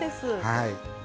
はい。